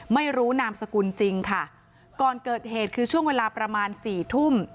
ไม่รู้นามสกุลจริงค่ะก่อนเกิดเหตุคือช่วงเวลาประมาณสี่ทุ่ม